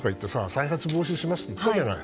再発防止しますって言ったじゃない。